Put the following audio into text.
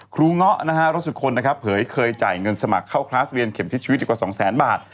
เงาะนะฮะรสสุคนนะครับเผยเคยจ่ายเงินสมัครเข้าคลาสเรียนเข็มทิศชีวิตดีกว่าสองแสนบาท